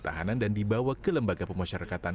tahanan dan dibawa ke lembaga pemasyarakatan